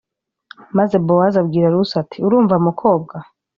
Maze bowazi abwira rusi ati urumva mukobwa